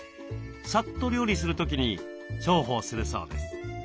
さっと料理する時に重宝するそうです。